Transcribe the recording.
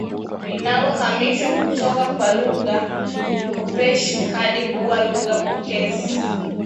linalohamishwa kutoka kwa lugha kopeshi hadi kwa lugha pokezi